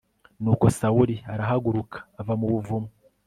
nuko sawuli arahaguruka ava mu buvumo